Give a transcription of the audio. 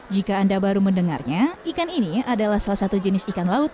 jika anda baru mendengarnya ikan ini adalah salah satu jenis ikan laut